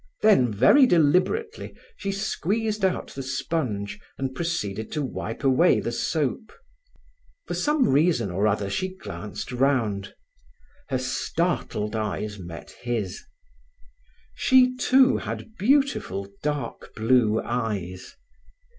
Then, very deliberately, she squeezed out the sponge and proceeded to wipe away the soap. For some reason or other she glanced round. Her startled eyes met his. She, too, had beautiful dark blue eyes.